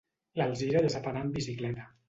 L'Alzira ja sap anar amb bicicleta.